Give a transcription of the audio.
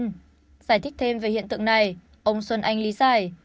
giải thích thêm về hiện tượng này ông xuân anh lý giải